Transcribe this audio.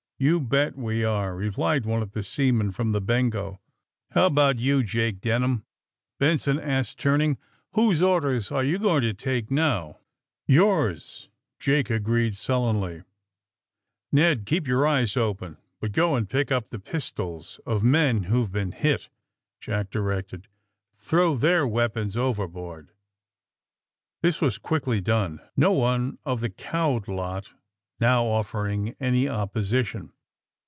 '*You bet we are!" replied one of the seamen from the ^^Bengo." *^How about you, Jake Denham?" Benson asked, turning. Whose orders are you going to take nowT' 236 THE SUBMAEINE BOYS Yours,'* Jake agreed sullenly. Ned, keep your eyes open, but go and pick up the pistols of men whoVe been hit," Jack directed. ^^ Throw their weapons overboard." This was quickly done, no one of the cowed lot now offering any opposition.